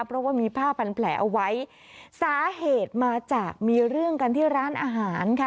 เพราะว่ามีผ้าพันแผลเอาไว้สาเหตุมาจากมีเรื่องกันที่ร้านอาหารค่ะ